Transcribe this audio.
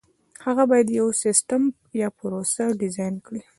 هغه باید یو سیسټم یا پروسه ډیزاین کړي.